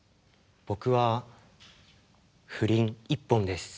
僕は不倫一本です。